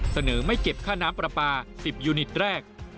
เสนอไม่เก็บค่าน้ำปลาปลา๑๐ยูนิตแรก